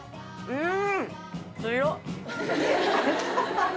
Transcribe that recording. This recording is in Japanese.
うん。